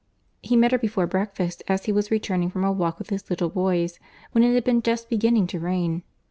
He had met her before breakfast as he was returning from a walk with his little boys, when it had been just beginning to rain.